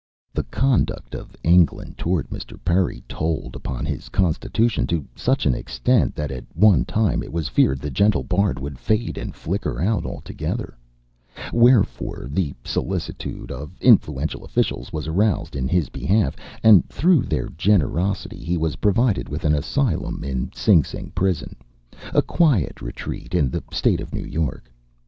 The conduct of England toward Mr. Perry told upon his constitution to such an extent that at one time it was feared the gentle bard would fade and flicker out altogether; wherefore, the solicitude of influential officials was aroused in his behalf, and through their generosity he was provided with an asylum in Sing Sing prison, a quiet retreat in the state of New York.